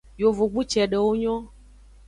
Yovogbu cedewo nyon.